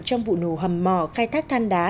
trong vụ nổ hầm mỏ khai thác than đá